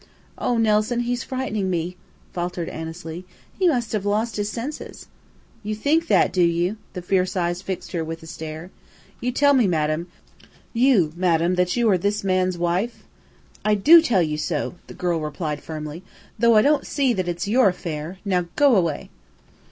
"Oh, Nelson, he's frightening me," faltered Annesley. "He must have lost his senses." "You think that, do you?" The fierce eyes fixed her with a stare. "You tell me you, madame, that you are this man's wife?" "I do tell you so," the girl replied, firmly, "though I don't see that it's your affair! Now go away."